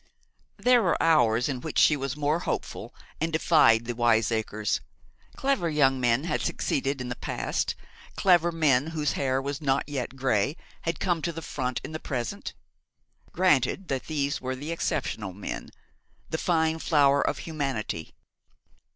There were hours in which she was more hopeful, and defied the wiseacres. Clever young men had succeeded in the past clever men whose hair was not yet grey had come to the front in the present. Granted that these were the exceptional men, the fine flower of humanity.